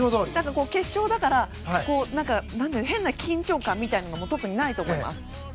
決勝だからという変な緊張感なものも特にないと思います。